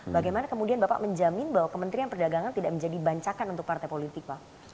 bagaimana kemudian bapak menjamin bahwa kementerian perdagangan tidak menjadi bancakan untuk partai politik pak